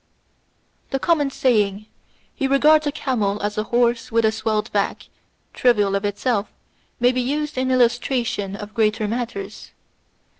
" The common saying, * He regards a camel as a horse with a swelled back,' trivial of itself, may be used in illustration of greater matters.